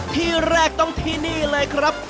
ที่แรกต้องที่นี่เลยครับ